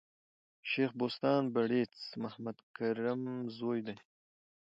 شېخ بُستان بړیځ د محمد کرم زوی دﺉ.